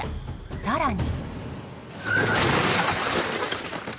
更に。